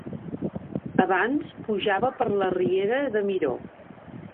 Abans pujava per la Riera de Miró.